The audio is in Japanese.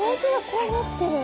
こうなってる。